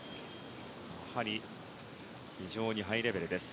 やはり非常にハイレベルです。